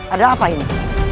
ada apa ini